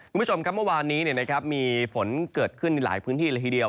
คุณผู้ชมครับเมื่อวานนี้มีฝนเกิดขึ้นในหลายพื้นที่เลยทีเดียว